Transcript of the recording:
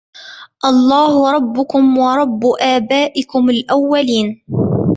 الله ربكم ورب آبائكم الأولين